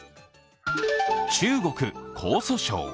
中国・江蘇省。